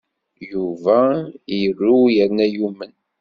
Yuba iru yerna yumen.